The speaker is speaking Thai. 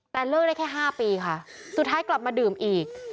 แต่เลิกได้แค่๕ปีค่ะสุดท้ายกลับมาดื่มอีก